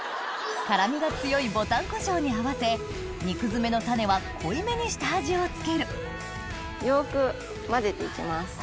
辛みが強いぼたんこしょうに合わせ肉詰めのタネは濃いめに下味を付けるよく混ぜて行きます。